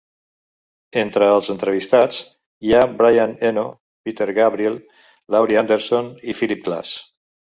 Entre els entrevistats hi ha Brian Eno, Peter Gabriel, Laurie Anderson i Philip Glass.